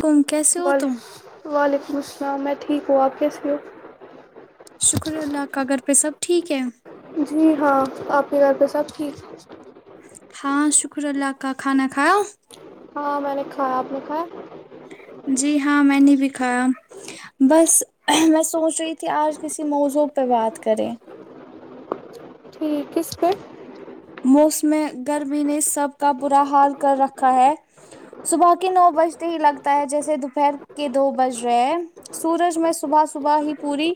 تم کیسے ہو تم وعلیکم السلام میں ٹھیک ہوں آپ کیسے ہو شکر اللہ کا گھر پہ سب ٹھیک ہے جی ہاں آپ کی گھر پہ سب ٹھیک ہے ہاں شکر اللہ کا کھانا کھاؤ ہاں میں نے کھایا تو ہے جی ہاں میں نے بھی کھایا بس میں سوچ رہی تھی آج کسی موضوع پہ بات کریں ٹھیک کس پہ موسم گرمی نے سب کا برا حال کر رکھا ہے صبح کے نو بجتے ہی لگتا ہے جیسے دوپہر کے دو بج رہے ہیں سورج میں صبح صبح ہی پوری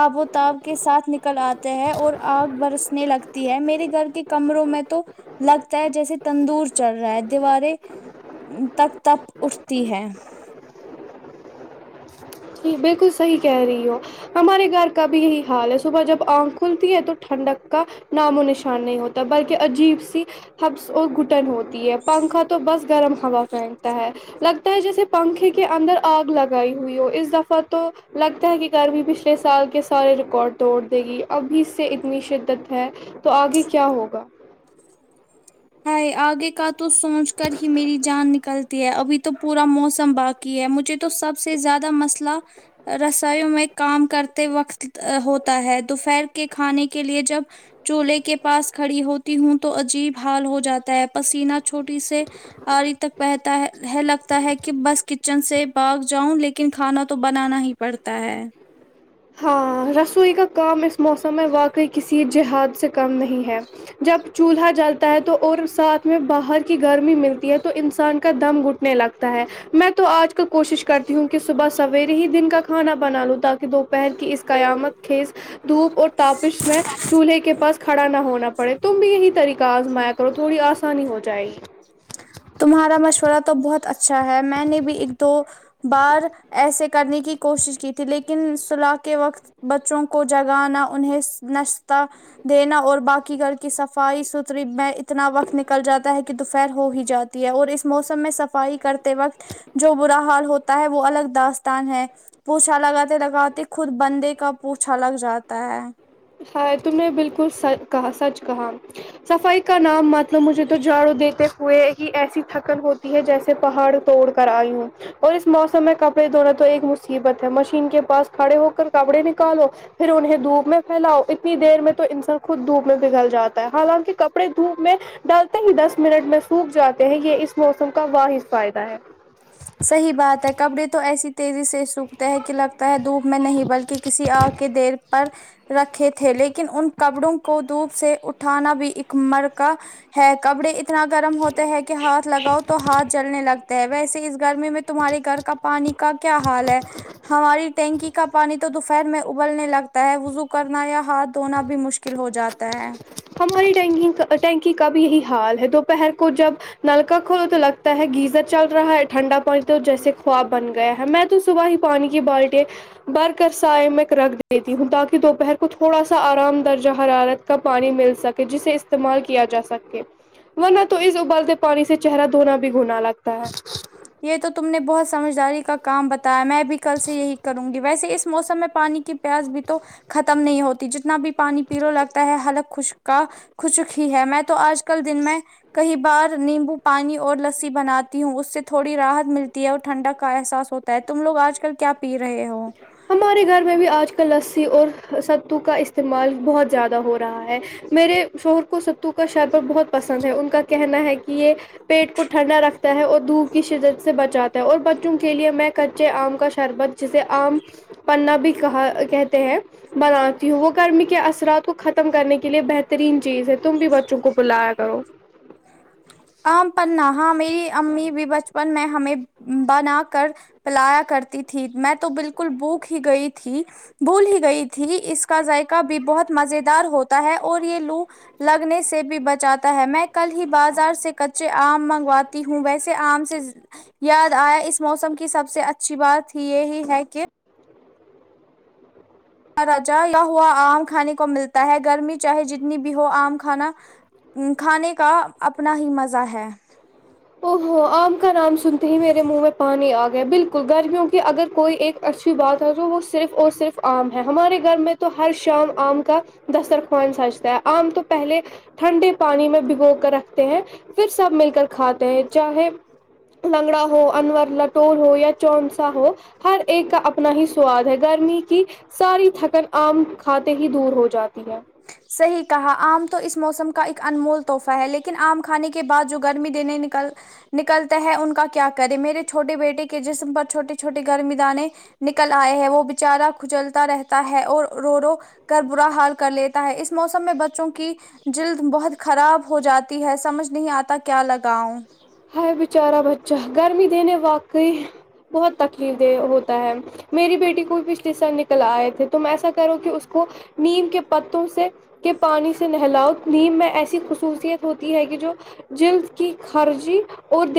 آب و تاب کے ساتھ نکل آتے ہیں اور آگ برسنے لگتی ہے میرے گھر کے کمروں میں تو لگتا ہے جیسے تندور چل رہا ہے دیواریں تپ تپ اٹھتی ہے جی بالکل صحیح کہہ رہی ہو ہمارے گھر کا بھی یہی حال ہے صبح جب آنکھ کھلتی ہے تو ٹھنڈک کا نام و نشان نہیں ہوتا بلکہ عجیب سی ہبس اور گٹن ہوتی ہے پنکھا تو بس گرم ہوا پہنتا ہے لگتا ہے جیسے پنکھے کے اندر آگ لگائی ہوئی ہو اس دفہ تو لگتا ہے کہ گرمی پچھلے سال کے سارے ریکارڈ توڑ دے گی اب بھی اس سے اتنی شد دت ہے تو آگے کیا ہوگا ہے آگے کا تو سوچ کر ہی میری جان نکلتی ہے ابھی تو پورا موسم باغ کی ہے مجھے تو سب سے زیادہ مسئلہ رسائیوں میں کام کرتے وقت ہوتا ہے دوپہر کے کھانے کے لیے جب چولہے کے پاس کھڑی ہوتی ہوں تو عجیب حال ہو جاتا ہے پسینہ چھوٹی سے آڑھی تک پہتا ہے ہے لگتا ہے کہ بس کچن سے باگ جاؤں لیکن کھانا تو بنانا ہی پڑتا ہے ہاں رسوئی کا کام اس موسم میں واقعی کسی جہاد سے کم نہیں ہے جب چولہا جلتا ہے تو اور ساتھ میں باہر کی گرمی ملتی ہے تو انسان کا دم گھٹ میں لگتا ہے میں تو آج کل کوشش کرتی ہوں کہ صبح سویرے ہی دن کا کھانا بنا لوں تاکہ پہر کی اس قیامت خیز دھوپ اور تاپش میں چولہے کے پاس کھڑا نہ ہونا پڑے تم بھی یہی طریقہ آزمایا کرو تھوڑی آسانی ہو جائے گی تمہارا مشورہ تو بہت اچھا ہے میں نے بھی ایک دو بار ایسے کرنے کی کوشش کی تھی لیکن صلاح کے وقت بچوں کو جگانا انہیں نشتہ دینا اور باقی گھر کی صفائی ستھری میں اتنا وقت نکل جاتا ہے کہ دوپہر ہو ہی جا ہے اور اس موسم میں صفائی کرتے وقت جو برا حال ہوتا ہے وہ الگ داستان ہے پوچھا لگاتے لگاتے خود بندے کا پوچھا لگ جاتا ہے ہائے تم نے بالکل سئی کہا سچ کہا صفائی کا نام مت لو مجھے تو جاڑو دیتے ہوئے ہی ایسی تھکن ہو تی ہے جیسے پہاڑ توڑ کر آئی ہوں اور اس موسم میں کپڑے دھونا تو ایک مصیبت ہے مشین کے پاس کھڑے ہو کر کپڑے نکالو پھر انہیں دھوپ میں پھیلاؤ اتنی دیر میں تو انسان خود دھوپ میں پگھل جاتا ہے حالانکی کپڑے دھوپ میں ڈالتے ہی دس منٹ میں سوکھ جاتے ہیں یے اس موسم کا واحد فائدہ ہے صحیح بات ہے کپڑے تو ایسی تیزی سے سوکھتے ہیں کی لگتا ہے دھوپ میں نہیں بلکہ کسی آگ کے دیر پر رکھے تھے لیکن ان کپڑوں کو دھوپ سے اٹھانا بھی ایک مر کا ہے کپڑے اتنا گرم ہوتے ہے کہ ہاتھ لگاؤ تو ہاتھ جلنے لگتے ہے ویسے اس گرمی میں تمہارے گھر کا پانی کا کیا حال ہے ہماری ٹینکی کا پانی تو دوفیر میں ابلنے لگتا ہے وضو کرنا یا ہاتھ دھونا بھی مشکل ہو جاتا ہے ہماری ٹینکی کا ٹینکی کا بھی یہی حال ہے دوپہر کو جب نل کا کھولو تو لگتا ہے گیزر چل رہا ہے ٹھنڈا پانی تو جیسے خواب بن گیا ہے میں تو صبح ہی پانی کی بالٹیں بھر کر سائے میں رکھ دیتی ہوں تاکی دوپہر کو تھوڑا سا آرام درجہ حرارت کا پانی مل سکے جسے استعمال کیا جا سکے ورنہ تو اس ابلتے پانی سے چہرہ دھونا بھی گناہ لگتا ہے یے تو تم نے بہت سمجھداری کا کام بتایا میں بھی کل سے یہی کروں گی ویسے اس موسم میں پانی کی پیاس بھی تو ختم نہیں ہوتی جتنا بھی پانی پیلو لگتا ہے حلق خشک کا خشک ہی ہے میں تو آج کل دن میں کئی بار نیمبو پانی اور لسی بناتی ہوں اس سے تھوڑی راحت ملتی ہے اور ٹھنڈک کا احساس ہوتا ہے تم لوگ آج کل کیا پی رہے ہو ہمارے گھر میں بھی آج کل لسی اور ستو کا استعمال بہت زیادہ ہو رہا ہے میرے شوہر کو ستو کا شربت بہت پسند ہے ان کا کہنا ہے کی یے پیٹ کو ٹھنڈا رکھتا ہے اور دھوپ کی شدت سے بچاتا ہے اور بچوں کو کے لیے میں کچے آم کا شربت جسے آم پننا بھی کہا کہتے ہیں بناتی ہوں وہ گرمی کے اثرات کو ختم کرنے کے لیے بہترین چیز ہے تم بھی بچوں کو پلایا کرو آم پننا ہاں میری امی بھی بچپن میں ہمیں بنا کر پلایا کرتی تھی میں تو بالکل بھوکھی گئی تھی بھول ہی گئی تھی اس کا ذائقہ بھی بہت مزہ دار ہوتا ہے اور یے لو لگ نے سے بھی بچاتا ہے میں کل ہی بازار سے کچے آم منگواتی ہوں ویسے آم سے یاد آیا اس موسم کی سب سے اچھی بات یہی ہے کہ را جاتا ہوا آم کھانے کو ملتا ہے گرمی چاہے جتنی بھی ہو آم کھانا کھانے کا اپنا ہی مزہ ہے او ہوو آم کا نام سنتے ہی میرے منہ میں پانی آ گیا بالکل گرمیوں کی اگر کوئی ایک اچھی بات ہے تو وہ صرف اور صرف آم ہے ہمارے گھر میں تو ہر شام آم کا دسترخوان سجتا ہے آم تو پہلے ٹھنڈے پانی میں بھگو کر رکھتے ہیں پھر سب مل کر کھاتے ہیں چاہے لنگڑا ہو انور لٹور ہو یا چونسا ہو ہر ایک کا اپنا ہی سواد ہے گرمی کی ساری تھکن آم کھاتے ہی دور ہو جاتی ہے صحیح کہا آم تو اس موسم کا ایک انمول توحفہ ہے لیکن آم کھانے کے کے بعد جو گرمی دینے نکل نکلتے ہے ان کا کیا کرے میرے چھوٹے بیٹے کے جسم پر چھوٹے چھوٹے گرمیدانیں نکل آئے ہے وہ بچارا کھچلتا رہتا ہے اور رو رو کر برا حال کر لے تا ہے اس موسم میں بچوں کی جلد بہت خراب ہو جاتی ہے سمجھ نہیں آتا کیا لگاؤ ہائے بیچارا بچہ گرمی دینے واقعی بہت تکلیف دے ہوتا ہے میری بیٹی کو پچھلے سال نکل آئے تھے تم ایسا کرو کہ اس کو نیم کے پتوں سے کے پانی سے نہلاؤ نیم میں ایسی خصوصیت ہوتی ہے کہ جو جلد کی خرچ جی اور د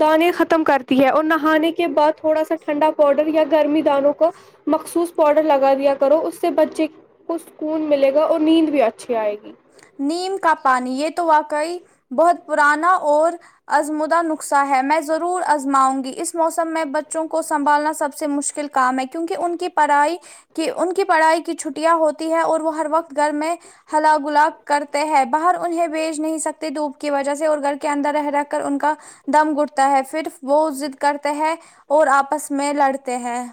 دانے ختم کرتی ہے اور نہانے کے بعد تھوڑا سا ٹھنڈا پاؤڈر یا گرمی دانوں کو مخصوص پاؤڈر لگا دیا کرو اس سے بچے کو سکون ملے گا اور نیند بھی اچھی آئے گی نیم کا پانی یہ تو واقعی بہت پرانا اور آزمودہ نخصہ ہے میں ضرور آزماؤں گی اس موسم میں بچوں کو سنبھالنا سب سے مشکل کام ہے کیونکہ ان کی پڑھائی کہ ان کی پڑھائی کی چھٹیاں ہوتی ہے اور وہ ہر وقت گھر میں ہلا بلا کرتے ہیں باہر انہیں بھیج نہیں سکتے دھوپ کی وجہ سے اور گھر کے اندر رہ رہ کر ان کا دم گٹتا ہے پھر وہ ضد کرتے ہے اور آپس میں لڑتے ہیں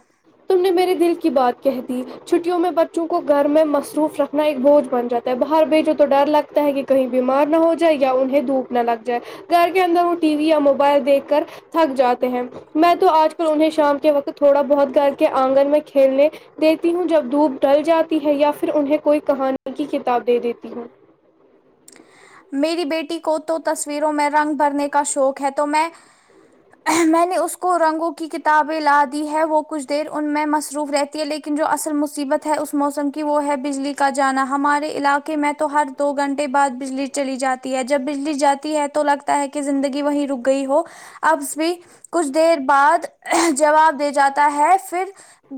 تم نے میرے دل کی بات کہہ دی چھٹیوں میں بچوں کو گھر میں مصروف رکھنا ایک بوجھ بن جاتا ہے باہر بھیجو تو ڈر لگ تا ہے کہ کہیں بیمار نہ ہو جائے یا انہیں دھوپ نہ لگ جائے گھر کے اندر وہ ٹی وی یا موبائل دیکھ کر تھک جا تے ہیں میں تو آج کل انہیں شام کے وقت تھوڑا بہت گھر کے آنگن میں کھیلنے دیتی ہوں جب دھوپ ڈھل جاتی ہے یا پھر انہیں کوئی کہانی کی کتاب دے دیتی ہوں میری بیٹی کو تو تصویروں میں رنگ بھرنے کا شوق ہے تو میں میں نے اس کو رنگوں کی کتابیں لا دی ہے وہ کچھ دیر ان میں مصروف رہتی تی ہے لیکن جو اصل مصیبت ہے اس موسم کی وہ ہے بجلی کا جانا ہمارے علاقے میں تو ہر دو گھنٹے بعد بجلی چلی جاتی ہے جب بجلی جاتی ہے تو لگتا ہے کہ زندگی وہیں رک گئی ہو ابس بھی کچھ دیر بعد جواب دے جاتا ہے پھر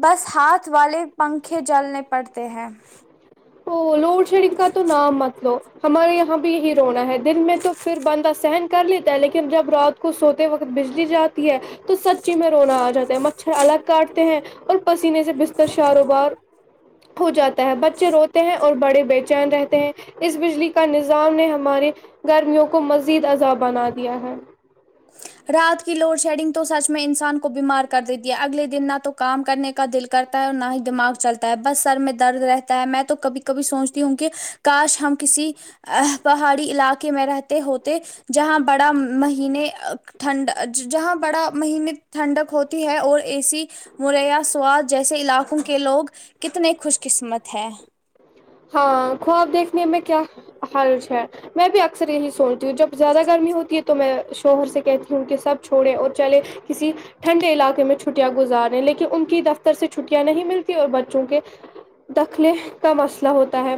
بس ہاتھ والے پنکھے جلنے پڑتے ہیں ا لوڈ شیڈنگ کا تو نہ مت لو ہمارے یہاں بھی یہی رونا ہے دن میں تو پھر بندہ سحن کر لیتا ہے لیکن جب رات کو سوتے وقت بجلی جاتی ہے تو سچی میں رونا آ جاتا ہے مچھر الگ کاٹتے ہیں اور پسینے سے بستر شاروبار ہو جاتا ہے بچے رو ہیں اور بڑے بے چین رہتے ہیں اس بجلی کو پر نظام نے ہمارے گرمیوں کو مزید عذاب بنا دیا ہے رات کی لوڈ شیڈنگ تو سچ میں انسان کو بیمار کر دیتی ہے اگلے دن نہ تو کام کرنے کا کا دل کرتا ہے اور نہ ہی دماغ چلتا ہے بس سر میں درد رہتا ہے میں تو کبھی کبھی سوچتی ہوں کہ کاش ہم کسی ا ہ پہاڑی علاقے میں رہتے ہوتے جہاں بڑا مہینے ٹھنڈ جہاں بڑا مہینے ٹھنڈک ہوتی ہے اور اے سی مریا سواد جیسے علاقوں کے لوگ کتنے خوش قسمت ہیں ہاں خواب دیکھنے میں کیا حرج ہے میں بھی اکثر یہی سوچ تو جب زیادہ گرمی ہوتی ہے تو میں شوہر سے کہتی ہوں کہ سب چھوڑیں اور چلے کسی ٹھنڈے علاقے میں چھٹیاں گزارے لیکن ان کی دفتر سے چھٹیاں نہیں ملتی اور بچوں کے دخلے کا مسئلہ ہوتا ہے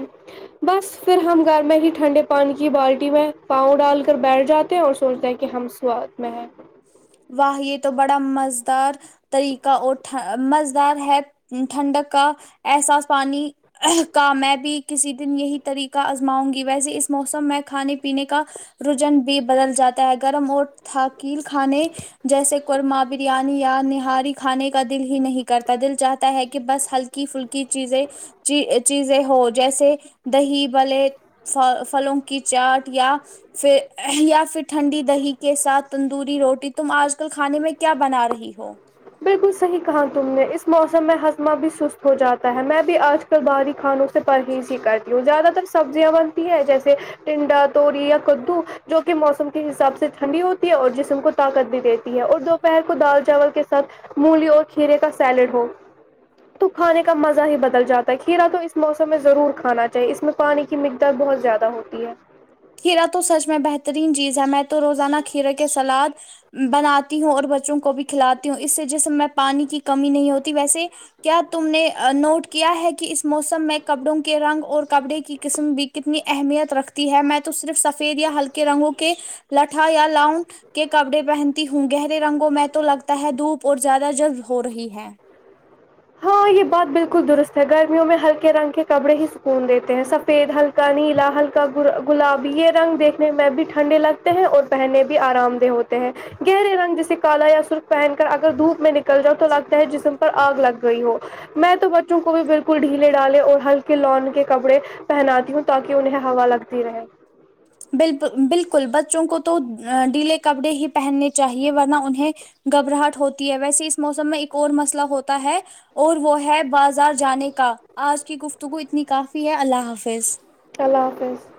بس پھر ہم گھر میں ہی ٹھنڈے پانی کی بالٹی میں پاؤں ڈال کر بیٹھ جاتے ہیں اور سوچتے ہیں کہ ہم سواد میں ہے واہ یہ تو بڑا مزدار طریقہ اور ٹھ مزدار ہے ٹھنڈک کا احساس پانی آہ کا میں بھی کسی دن یہی طریقہ آزماؤں گی ویسے اس موسم میں کھانے پینے کا رجن بھی بدل جاتا ہے گرم اور تھاکیل کھانے جیسے قورما بریانی یا نہاری کھانے کا دل ہی نہیں کرتا دل چاہتا ہے کہ بس ہلکی فھلکی کی چیزیں چیزیں ہو جیسے دہی بلے ف فھلوں کی چاٹ یا پھر یا پھر ٹھنڈی دہی کے ساتھ تندوری روٹی تم آج کل کھانے میں کیا بنا رہی ہو بالکل صحیح کہا تم نے اس موسم میں ہاضمہ بھی سست ہو جاتا ہے میں بھی آج پھر داری کھانوں سے پرہیز ہی کرتی ہوں زیادہ تر سبزیاں بنتی ہیں جیسے ٹنڈا توور یا کدو جو کہ موسم کے حساب سے ٹھنڈی ہوتی ہے اور جسم کو طاقت بھی دیتی ہے اور دوپہر کو دال چاول کے ساتھ مولی اور کھیرے کا سیلڈ ہو تو کھانے کا مزہ ہی بدل جاتا ہے کھیرا تو اس موسم میں ضرور کھانا چاہیے اس میں پانی کی مقدار بہت زیادہ ہوتی ہے کھیرا تو سچ میں بہترین چیز ہے میں تو روزانہ کھیرے کے سلاد بناتی ہوں اور بچوں کو بھی کھلاتی ہوں اس سے جیسے میں پانی کی کمی نہیں ہوتی ویسے کیا تم نے ا نوٹ کیا ہے کہ اس موسم میں کپڑوں کے رنگ اور کپڑے کی قسم بھی کتنی اہمیت رکھتی ہے میں تو صرف سفید یا ہلکے رنگوں کے لاٹھا یا لاؤن کے کپڑے پہنتی ہوں گہرے رنگوں میں تو لگتا ہے دھوپ اور زیادہ جذب ہو رہی ہے ہاں یہ بات بالکل درست ہے گرمیوں میں ہلکے رنگ کے کپڑے ہی سکون دیتے ہیں سفید ہلکے کا نیلا ہلک گلابی یہ رنگ دیکھنے میں بھی ٹھنڈے لگتے ہیں اور پہننے بھی آرام ہوتے ہیں گہرے رنگ جیسے کالا یا سرخ پہن کر اگر دھوپ میں نکل جاؤ تو لگتا ہے جسم پر آگ لگ گئی ہو میں تو بچوں کو بھی بالکل ڈھیلے ڈالے اور ہلکے لان کے کپڑے پہناتی ہوں تاکہ انہیں ہوا لگتی رہے بالکل بالکل بچوں کو تو ڈیلے کپڑے ہی پہننے چاہیے ورنہ انہیں گھبراہٹ ہوتی ہے ویسے اس موسم میں ایک اور مسئلہ ہوتا ہے اور وہ ہے بازار جانے کا آج کی گفتگو اتنی کافی ہے اللہ حافظ اللہ حافظ